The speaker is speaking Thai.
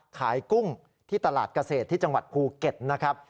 กุ้งที่ตลาดเกษตรที่จังหวัดภูเก็ตนะครับ